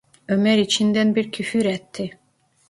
Ömer içinden bir küfür etti.